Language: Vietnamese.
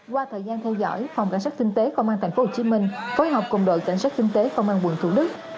qua thời gian theo dõi phòng cảnh sát kinh tế công an tp hcm phối hợp cùng đội cảnh sát kinh tế công an tp hcm